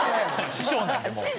師匠なんでもう。